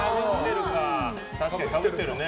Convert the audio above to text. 確かにかぶってるね。